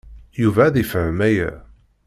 Yuba ad yefhem aya.